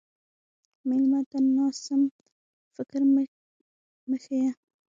مېلمه ته ناسم فکر مه ښیه.